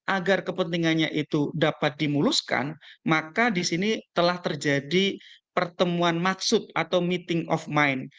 agar kepentingannya itu dapat dimuluskan maka di sini telah terjadi pertemuan maksud atau meeting of mind